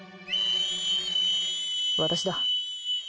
私だ。